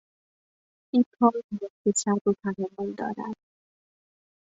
این کار نیاز به صبر و تحمل دارد.